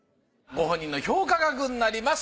ご本人の評価額になります。